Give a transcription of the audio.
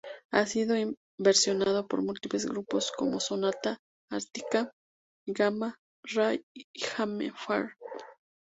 Ha sido versionado por múltiples grupos como Sonata Arctica, Gamma Ray y Hammerfall.